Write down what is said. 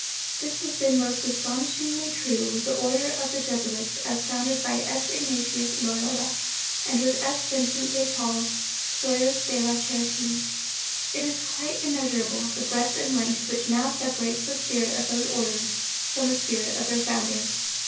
This has been most astonishingly true with the Order of the Jesuits as founded by S. Ignatius Loyola, and with S. Vincent de Paul's S[oe]urs de la Charité. It is quite immeasurable the breadth and length which now separates the spirit of those Orders from the spirit of their Founders.